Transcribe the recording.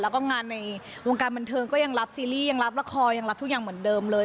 แล้วก็งานในวงการบันเทิงก็ยังรับซีรีส์ยังรับละครยังรับทุกอย่างเหมือนเดิมเลย